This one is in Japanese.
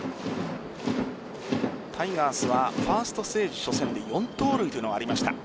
タイガースはファーストステージ初戦で４盗塁というのがありました。